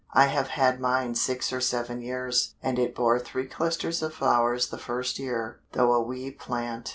I have had mine six or seven years, and it bore three clusters of flowers the first year, though a wee plant.